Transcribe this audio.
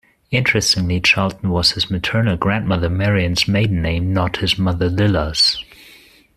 Interestingly, Charlton was his maternal grandmother Marian's maiden name, not his mother Lilla's.